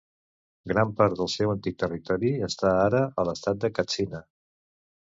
Gran part del seu antic territori està ara a l'estat de Katsina.